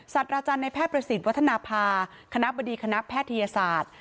อาจารย์ในแพทย์ประสิทธิ์วัฒนภาคณะบดีคณะแพทยศาสตร์